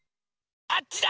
あっちだ！